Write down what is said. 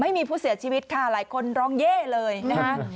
ไม่มีผู้เสียชีวิตค่ะหลายคนร้องเย่เลยนะคะ